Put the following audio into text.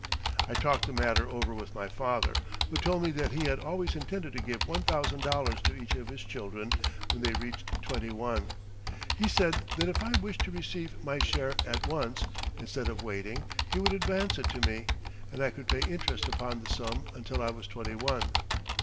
I talked the matter over with my father, who told me that he had always intended to give $1,000 to each of his children when they reached twenty one. He said that if I wished to receive my share at once, instead of waiting, he would advance it to me and I could pay interest upon the sum until I was twenty one.